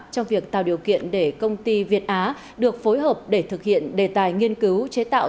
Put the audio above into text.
trong việc tạo điều kiện để công ty việt á được phối hợp để thực hiện đề tài nghiên cứu chế tạo